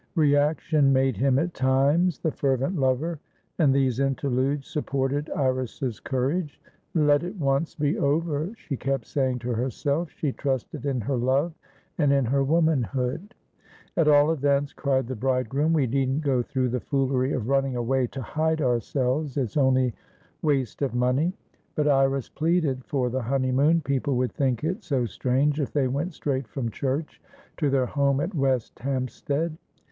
Reaction made him at times the fervent lover, and these interludes supported Iris's courage. "Let it once be over!" she kept saying to herself. She trusted in her love and in her womanhood. "At all events," cried the bridegroom, "we needn't go through the foolery of running away to hide ourselves. It's only waste of money." But Iris pleaded for the honeymoon. People would think it so strange if they went straight from church to their home at West Hampstead.